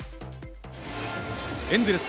エンゼルス